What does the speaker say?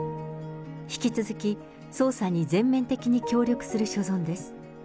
引き続き捜査に全面的に協力する所存です。